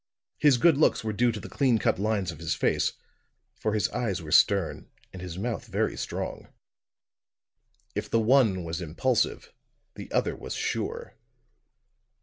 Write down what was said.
His good looks were due to the clean cut lines of his face; for his eyes were stern and his mouth very strong. If the one was impulsive, the other was sure.